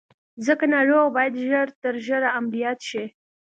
ځکه ناروغ بايد ژر تر ژره عمليات شي.